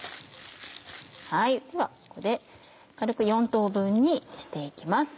ではここで軽く４等分にして行きます。